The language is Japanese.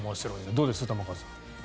どうです、玉川さん。